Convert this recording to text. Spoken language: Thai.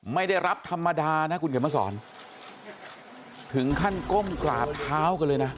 ไม่ได้รับธรรมดานะคุณเขียนมาสอนถึงขั้นก้มกราบเท้ากันเลยนะ